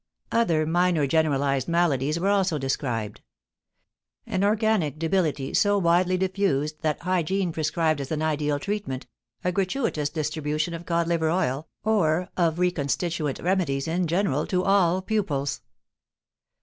Other minor generalized maladies were also described: an organic debility so widely diffused that hygiene prescribed as an ideal treatment a gratuitous distribution of cod liver oil or of reconstituent remedies in general to all pupils.